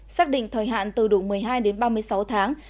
xác định thời hạn từ đủ một mươi hai đến ba mươi sáu tháng